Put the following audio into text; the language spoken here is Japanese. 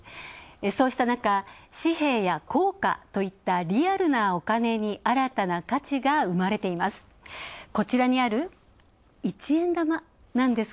そうした中、紙幣や硬貨といったリアルなお金に新たな価値が生まれています。